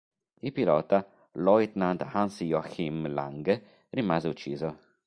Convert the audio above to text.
Il pilota, Leutnant Hans-Joachim Lange, rimase ucciso.